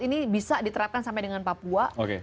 ini bisa diterapkan sampai dengan papua